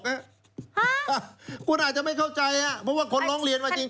คุณอาจจะไม่เข้าใจฮะเพราะว่าคนร้องเรียนมาจริง